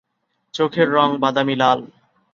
চোখের রঙ বাদামি লাল।